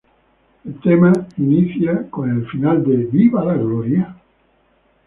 El tema inicia con el final de Viva La Gloria?